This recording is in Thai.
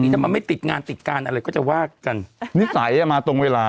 ดิแล้วไม่ติดงานติดการอะไรก็จะว่ากันนี่หมายอินทรายมาตรงเวลา